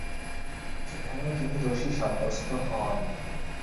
সেখানেও তিনি দোষী সাব্যস্ত হন।